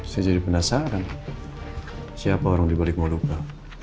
saya jadi penasaran siapa orang di balik moloka